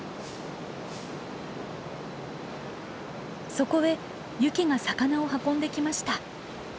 そこへユキが魚を運んできました。